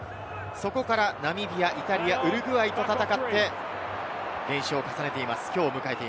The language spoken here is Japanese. そこからナミビア、イタリア、ウルグアイと戦って、連勝を重ねています。